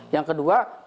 yang kedua bahwa kemudian